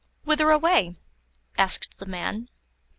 "Whither away?" asked the man.